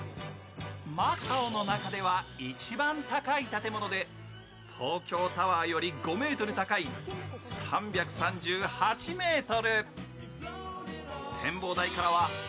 マカオの中では一番高い建物で、東京タワーより５ｍ高い３３８ｍ。